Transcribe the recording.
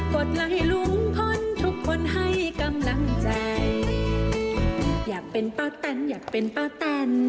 ดไลค์ลุงพลทุกคนให้กำลังใจอยากเป็นป้าแตนอยากเป็นป้าแตน